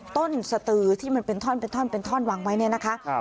ต้นสตือที่มันเป็นท่อนวางไว้เนี่ยนะคะ